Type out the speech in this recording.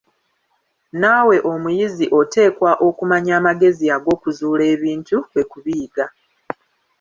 Naawe omuyizi oteekwa okumanya amagezi ag'okuzuula ebintu, kwe kubiyiga.